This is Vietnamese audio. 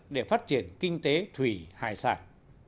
để phát triển kinh tế thủy hải sản